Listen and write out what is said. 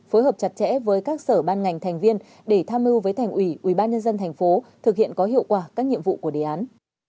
phối hợp chặt chẽ với các sở ban ngành thành viên để tham mưu với thành ủy ubnd tp thực hiện có hiệu quả các nhiệm vụ của đề án